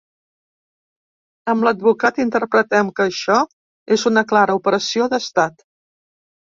Amb l’advocat interpretem que això és una clara operació d’estat.